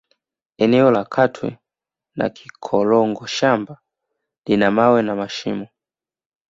Eneo la Katwe na Kikorongo shamba lina mawe na mashimo